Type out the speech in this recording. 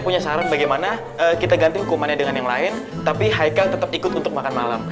punya saran bagaimana kita ganti hukumannya dengan yang lain tapi haikal tetap ikut untuk makan malam